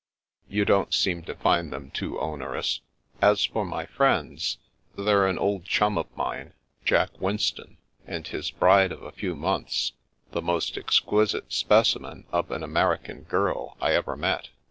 " You don't seem to find them too onerous. As for my friends — they're an old chum of mine, Jack Win ston, and his bride of a few months, the most exqui site specimen of an American girl I ever met.